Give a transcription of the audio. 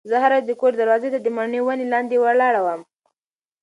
زه هره ورځ د کور دروازې ته د مڼې ونې لاندې ولاړه وم.